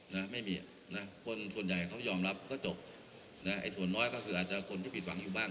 นะไม่มีอ่ะนะคนส่วนใหญ่เขายอมรับก็จบนะไอ้ส่วนน้อยก็คืออาจจะคนที่ผิดหวังอยู่บ้าง